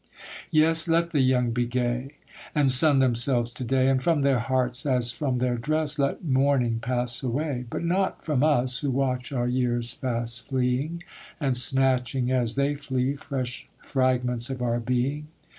Yes, let the young be gay, And sun themselves to day; And from their hearts, as from their dress, Let mourning pass away. But not from us, who watch our years fast fleeing, And snatching as they flee, fresh fragments of our being.